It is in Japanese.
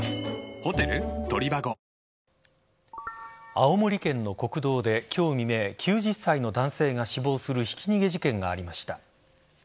青森県の国道で今日未明９０歳の男性が死亡するひき逃げ事件がありました。